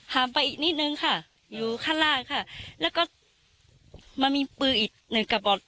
ไปอีกนิดนึงค่ะอยู่ข้างล่างค่ะแล้วก็มันมีปืนอีกหนึ่งกระบอก